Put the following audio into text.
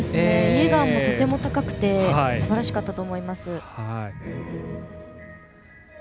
イエーガーもとてもよくてすばらしかったと思います。